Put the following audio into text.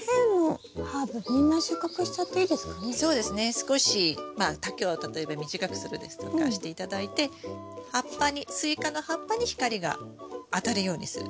少しまあ丈を例えば短くするですとかして頂いて葉っぱにスイカの葉っぱに光が当たるようにする。